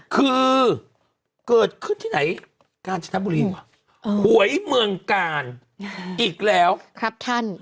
คือเกิดขึ้นที่ไหนกาญจนบุรีว่ะหวยเมืองกาลอีกแล้วครับท่าน